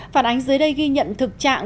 phản ánh dưới đây ghi nhận thực trạng